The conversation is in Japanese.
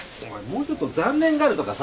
もうちょっと残念がるとかさ。